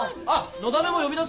のだめも呼び出そうか？